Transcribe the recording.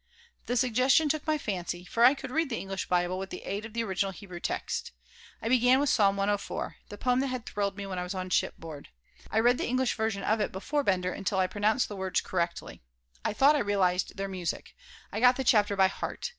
The suggestion took my fancy, for I could read the English Bible with the aid of the original Hebrew text. I began with Psalm 104, the poem that had thrilled me when I was on shipboard. I read the English version of it before Bender until I pronounced the words correctly. I thought I realized their music. I got the chapter by heart.